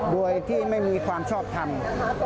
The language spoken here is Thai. โดยที่ไม่มีความชอบทำ